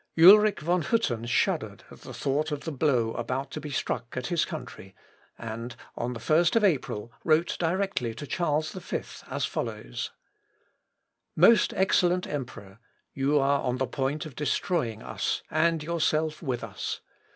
Ulric von Hütten shuddered at the thought of the blow about to be struck at his country, and, on the 1st of April wrote directly to Charles V as follows: "Most excellent emperor, you are on the point of destroying us, and yourself with us.